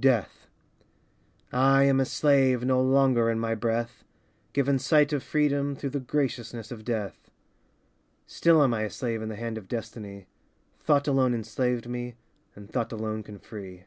Death I am a slave No longer in my breath. Given sight of freedom Through the graciousness of death. Still am I a slave In the hand of destiny, Thought alone enslaved me And thought alone can free.